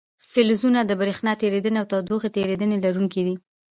فلزونه د برېښنا تیریدنې او تودوخې تیریدنې لرونکي دي.